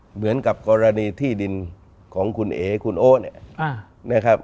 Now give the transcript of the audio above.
เหมือนกับกรณีที่ดินของคุณเอ๋คุณโอ๊เนี่ยนะครับ